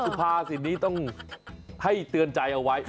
ภาษิตนี้ต้องให้เตือนใจเอาไว้